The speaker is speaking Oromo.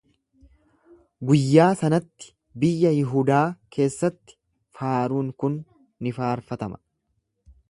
Guyyaa sanatti biyya Yihudaa keessatti faaruun kun ni faarfatama.